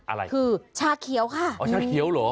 อะไรคือชาเขียวค่ะอ๋อชาเขียวเหรอ